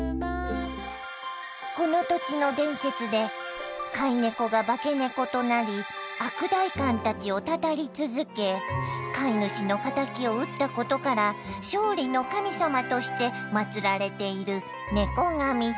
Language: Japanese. この土地の伝説で飼い猫が化け猫となり悪代官たちをたたり続け飼い主の仇を討ったことから勝利の神様としてまつられている猫神様。